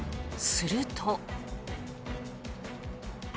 すると。